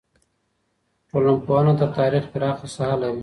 ټولنپوهنه تر تاریخ پراخه ساحه لري.